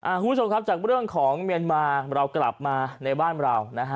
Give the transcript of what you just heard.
คุณผู้ชมครับจากเรื่องของเมียนมาเรากลับมาในบ้านเรานะฮะ